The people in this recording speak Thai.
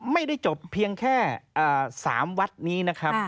ไม่ได้จบเพียงแค่๓วัดนี้นะครับ